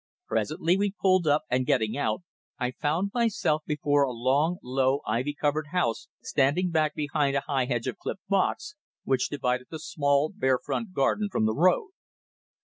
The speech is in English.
Presently we pulled up, and getting out, I found myself before a long, low, ivy covered house standing back behind a high hedge of clipped box, which divided the small, bare front garden from the road.